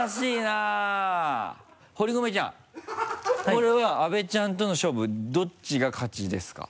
これは阿部ちゃんとの勝負どっちが勝ちですか？